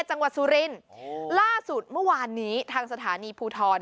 จังหวัดสุรินทร์ล่าสุดเมื่อวานนี้ทางสถานีภูทร